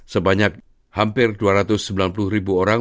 sebanyak hampir dua ratus sembilan puluh ribu orang